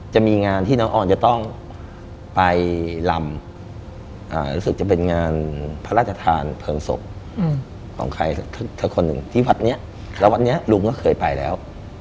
จะมีงานที่น้องออนจะต้องไปลำรู้สึกจะเป็นงานพระราชทานเพลิงศพของใครสักคนหนึ่งที่วัดนี้แล้ววัดนี้ลุงก็เคยไปแล้ว